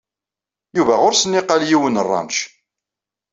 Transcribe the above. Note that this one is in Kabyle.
Yuba ɣuṛ-s nniqal yiwen ranč.